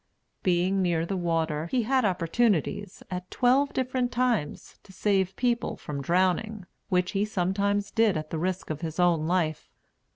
Being near the water, he had opportunities, at twelve different times, to save people from drowning, which he sometimes did at the risk of his own life.